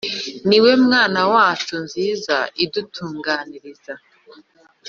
ni we mana yacu nziza idutunganiriza